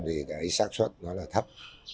thì cái sản xuất nó là thấp